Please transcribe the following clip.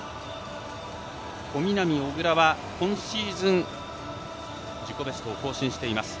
小南、小椋は今シーズン自己ベストを更新しています。